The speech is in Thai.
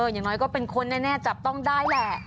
อย่างน้อยก็เป็นคนแน่จับต้องได้แหละ